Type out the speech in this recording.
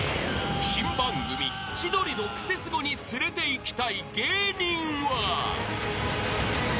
［新番組『千鳥のクセスゴ！』に連れていきたい芸人は］